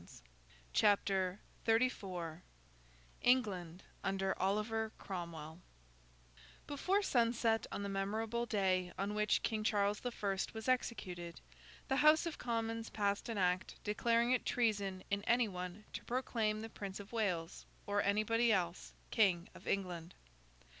CHAPTER XXXIV ENGLAND UNDER OLIVER CROMWELL Before sunset on the memorable day on which King Charles the First was executed, the House of Commons passed an act declaring it treason in any one to proclaim the Prince of Wales—or anybody else—King of England.